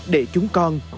để chúng con